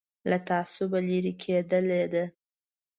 له تعصبه لرې کېدل ده.